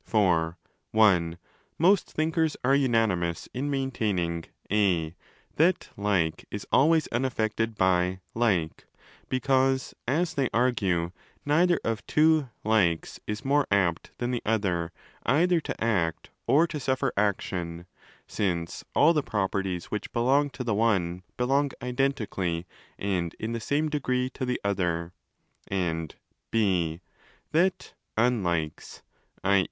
For (i) most thinkers are unanimous in maintaining (4) that 'like' is always unaffected by 'like', because (as they argue) neither of two 'likes' is more apt than the other either to act or to suffer action, since all the properties which belong to the one belong identically and in the same degree to the other; and (6) that ' unlikes', i.